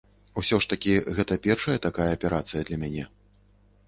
Усё ж такі гэта першая такая аперацыя для мяне.